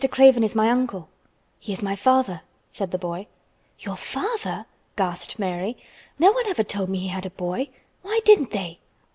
Craven is my uncle." "He is my father," said the boy. "Your father!" gasped Mary. "No one ever told me he had a boy! Why didn't they?"